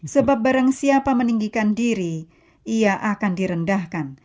sebab barang siapa meninggikan diri ia akan direndahkan